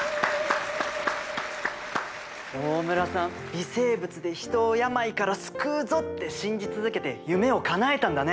微生物で人を病から救うぞって信じ続けて夢をかなえたんだね！